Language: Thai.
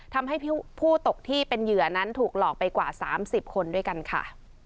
ทำให้ผู้ตกที่เป็นเหยื่อนั้นถูกหลอกไปกว่า๓๐คนด้วยกันค่ะ